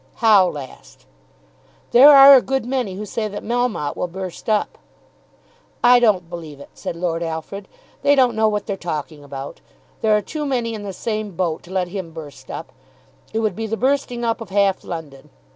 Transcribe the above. "How last?" "There are a good many who say that Melmotte will burst up." "I don't believe it," said Lord Alfred. "They don't know what they're talking about. There are too many in the same boat to let him burst up. It would be the bursting up of half London.